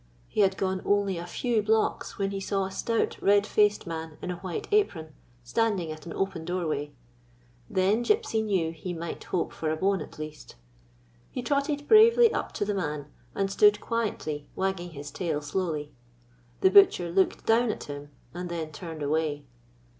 He had gone only a few blocks when he saw a stout, red faced man in a white apron, standing at an open doorway. Then Gypsy knew that he might hope for a bone at least. He trotted bravely up to the man and stood quietly wagging his tail slowly. The butcher looked down at him, and then turned away.